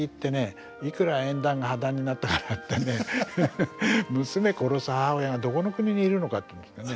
いくら縁談が破談になったからってね娘殺す母親がどこの国にいるのかっていうんですかね。